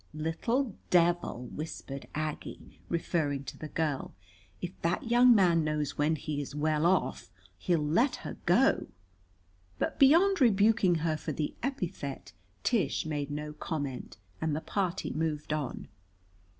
"Little devil!" whispered Aggie, referring to the girl. "If that young man knows when he is well off, he'll let her go." But beyond rebuking her for the epithet, Tish made no comment, and the party moved on.